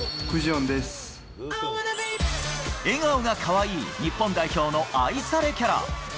笑顔がかわいい日本代表の愛されキャラ。